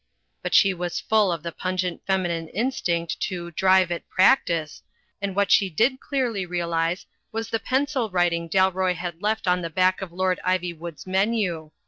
But she was full of the pungent feminine instinct to "drive at practice," and what she did clearly realise was the pencil writing Dalroy had left on the back of Lord Iv3rwood's menu.